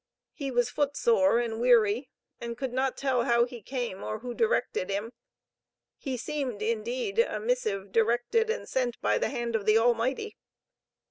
He was foot sore and weary, and could not tell how he came, or who directed him. He seemed indeed, a missive directed and sent by the hand of the Almighty.